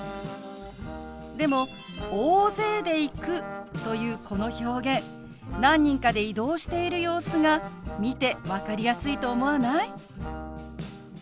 でも「大勢で行く」というこの表現何人かで移動している様子が見て分かりやすいと思わない？